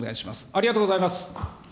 ありがとうございます。